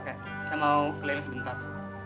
terima kasih pak